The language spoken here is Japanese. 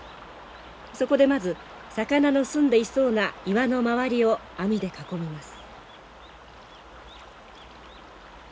そこでまず魚のすんでいそうな岩の周りを網で囲みます。